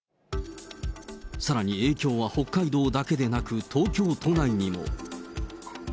さらに影響は北海道だけでなく、東京都内にも。